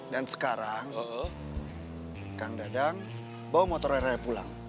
dan sekarang kang dadang bawa motor raya pulang